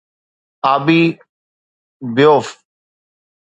ابي بيوف